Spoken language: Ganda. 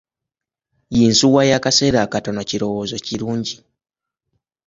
Yinsuwa y'akaseera akatono kirowoozo kirungi?